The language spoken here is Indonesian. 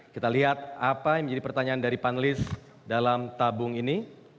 kita lihat apa yang menjadi pertanyaan dari panelis dalam tabung ini